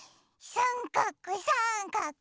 さんかくさんかく。